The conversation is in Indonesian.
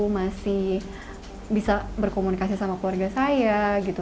masih bisa berkomunikasi sama keluarga saya gitu